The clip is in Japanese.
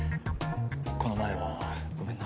この前はごめんな。